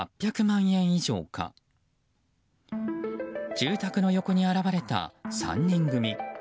住宅の横に現れた３人組。